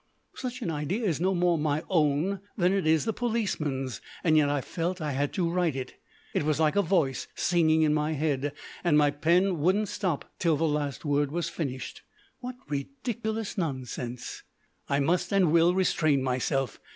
Such an idea is no more my own than it is the policeman's. Yet I felt I had to write it. It was like a voice singing in my head, and my pen wouldn't stop till the last word was finished. What ridiculous nonsense! I must and will restrain myself.